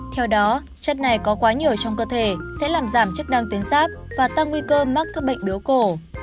theo đó chất này có quá nhiều trong cơ thể sẽ làm giảm chức năng tuyến sáp và tăng nguy cơ mắc các bệnh biếu cổ